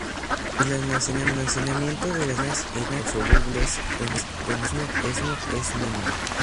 El almacenamiento de las vitaminas hidrosolubles en el organismo es mínimo.